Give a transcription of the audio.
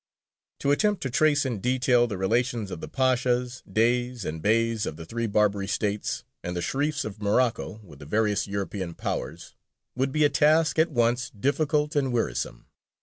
To attempt to trace in detail the relations of the Pashas, Deys, and Beys of the three Barbary States, and the Sherīfs of Morocco, with the various European Powers, would be a task at once difficult and wearisome.